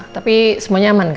tapi semuanya aman kan